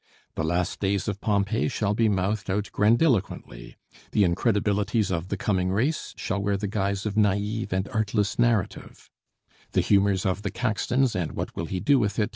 'The Last Days of Pompeii' shall be mouthed out grandiloquently; the incredibilities of 'The Coming Race' shall wear the guise of naïve and artless narrative; the humors of 'The Caxtons' and 'What Will He Do with It?'